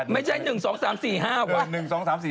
ไม่ใช่๑๒๓๔๕ว่ะ